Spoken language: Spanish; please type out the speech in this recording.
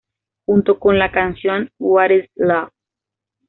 Junto con la canción ""What Is Love?